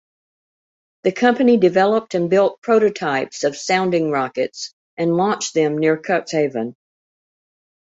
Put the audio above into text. The company developed and built prototypes of sounding rockets and launched them near Cuxhaven.